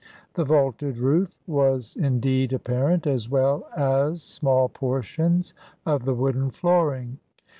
The vaulted roof was indeed apparent, as well as small portions of the wooden flooring.